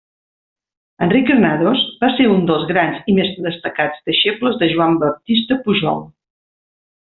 Enric Granados va ser un dels grans i més destacats deixebles de Joan Baptista Pujol.